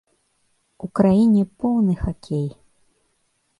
У краіне поўны хакей.